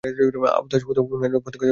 আওতাস হুনাইন উপত্যকা থেকে দূরে ছিল।